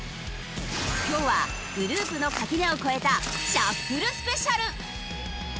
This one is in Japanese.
今日はグループの垣根を越えたシャッフルスペシャル！